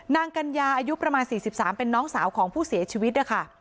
กัญญาอายุประมาณ๔๓เป็นน้องสาวของผู้เสียชีวิตนะคะ